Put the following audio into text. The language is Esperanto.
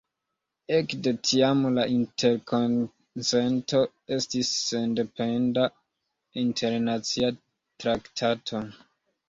Ekde tiam la Interkonsento estis sendependa internacia traktato.